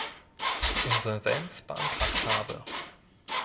Insolvenz beantragt habe.